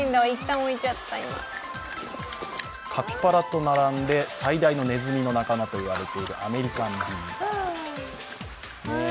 カピバラと並んで、最大のネズミの仲間と言われているアメリカンビーバー。